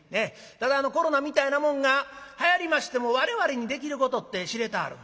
ただあのコロナみたいなもんがはやりましても我々にできることって知れてはるんですな。